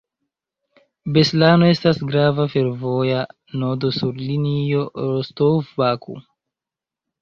Beslano estas grava fervoja nodo sur linio Rostov—Baku.